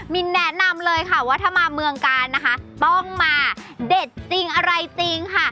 แนะนำเลยค่ะว่าถ้ามาเมืองกาลนะคะต้องมาเด็ดจริงอะไรจริงค่ะ